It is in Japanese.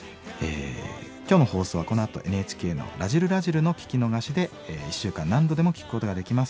今日の放送はこのあとＮＨＫの「らじる★らじる」の聴き逃しで１週間何度でも聴くことができます。